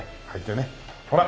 ほら！